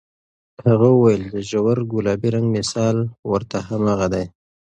هغه وویل، د ژور ګلابي رنګ مثال ورته هماغه دی.